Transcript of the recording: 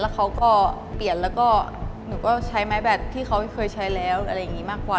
เขาก็เปลี่ยนแล้วก็หนูก็ใช้ไม้แบตที่เขาเคยใช้แล้วอะไรอย่างนี้มากกว่า